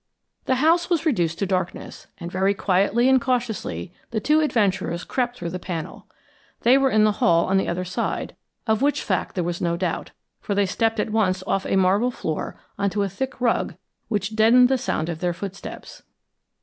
The house was reduced to darkness, and very quietly and cautiously the two adventurers crept through the panel. They were in the hall on the other side, of which fact there was no doubt, for they stepped at once off a marble floor on to a thick rug which deadened the sound of their footsteps.